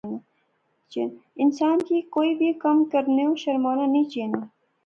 انسان کی کوئی وی کم کرنیا شرمانا نی چاینا